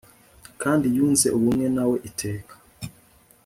kandi yunze ubumwe na we iteka